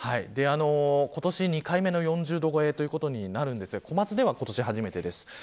今年２回目の４０度超えということになりそうなんですが小松市では今年初めてです。